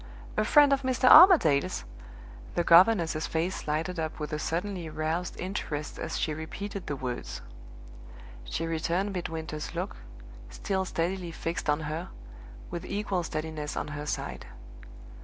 "A friend of Mr. Armadale's!" The governess's face lighted up with a suddenly roused interest as she repeated the words. She returned Midwinter's look, still steadily fixed on her, with equal steadiness on her side.